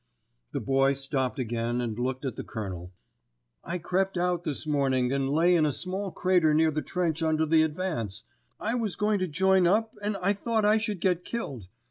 The Boy stopped again and looked at the Colonel. "I crept out this morning, and lay in a small crater near our trench until the advance. I was going to join up and I thought I should get killed.